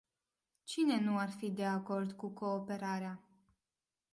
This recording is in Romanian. Cine nu ar fi de acord cu cooperarea?